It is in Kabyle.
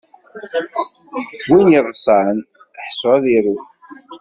Win iḍṣan ḥṣu ad iru.